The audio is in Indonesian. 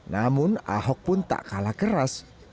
namun ahok pun tak kalah keras